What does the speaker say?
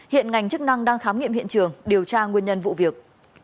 hiện ngành chức năng đang khám nghiệm hiện trường điều tra nguyên nhân vụ việc